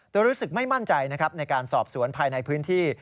ตัวรู้สึกไม่มั่นใจในการสอบสวนภายในพื้นที่